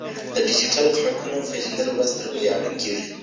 د ډیجیټل حقونو پیژندل ورځ تر بلي اړین کیږي.